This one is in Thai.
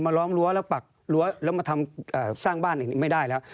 ล้อมรั้วแล้วปักรั้วแล้วมาทำสร้างบ้านอย่างนี้ไม่ได้แล้ว